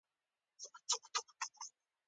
زړه کله د خوښۍ نه ډکېږي، کله د غم.